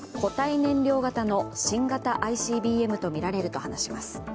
燃料型の新型ＩＣＢＭとみられると話します。